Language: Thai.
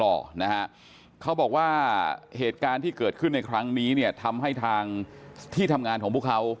นะฮะเขาบอกว่าเหตุการณ์ที่เกิดขึ้นในครั้งนี้เนี่ยทำให้ทางที่ทำงานของพวกเขา